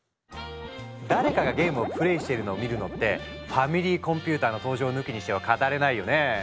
誰かがゲームをプレーしているのを見るのって「ファミリーコンピューター」の登場を抜きにしては語れないよね。